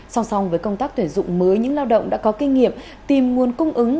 song song với công tác tuyển dụng mới những lao động đã có kinh nghiệm tìm nguồn cung ứng